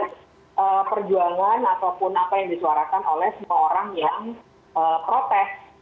itu perjuangan ataupun apa yang disuarakan oleh semua orang yang protes